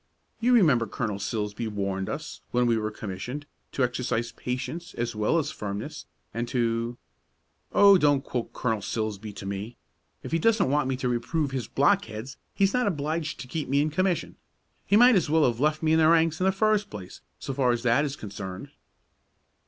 You remember Colonel Silsbee warned us, when we were commissioned, to exercise patience as well as firmness, and to " "Oh, don't quote Colonel Silsbee to me! If he doesn't want me to reprove his blockheads he's not obliged to keep me in commission. He might as well have left me in the ranks in the first place, so far as that is concerned."